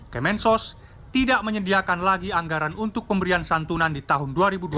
kemensos tidak menyediakan lagi anggaran untuk pemberian santunan di tahun dua ribu dua puluh